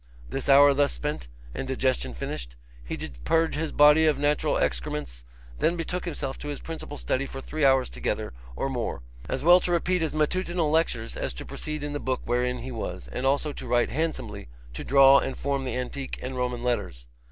This hour thus spent, and digestion finished, he did purge his body of natural excrements, then betook himself to his principal study for three hours together, or more, as well to repeat his matutinal lectures as to proceed in the book wherein he was, as also to write handsomely, to draw and form the antique and Roman letters.